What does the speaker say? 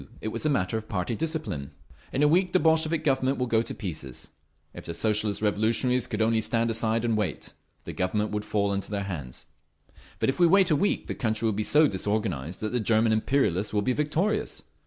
It was a matter of party discipline…. "In a week the Bolshevik Government will go to pieces; if the Socialist Revolutionaries could only stand aside and wait, the Government would fall into their hands. But if we wait a week the country will be so disorganised that the German imperialists will be victorious.